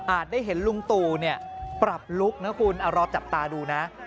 ได้เห็นลุงตู่ปรับลุคนะคุณเอาจับตาดูนะ